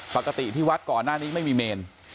ปกติที่วัดก่อนหน้านี้ไม่มีเมน